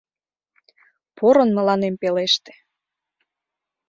Порын мыланем пелеште...